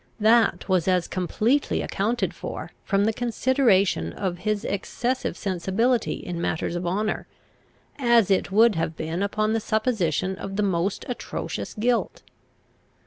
That was as completely accounted for from the consideration of his excessive sensibility in matters of honour, as it would have been upon the supposition of the most atrocious guilt.